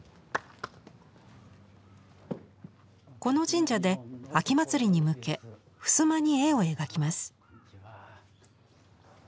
この神社で秋祭りに向け襖に絵を描きます。